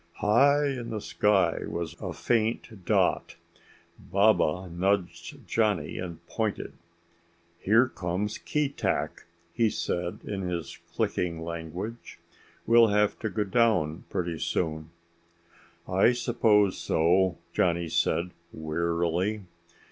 High in the sky was a faint dot. Baba nudged Johnny and pointed. "Here comes Keetack," he said in his clicking language. "We'll have to go down pretty soon." "I suppose so," Johnny said wearily.